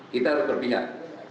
kita harus berpihak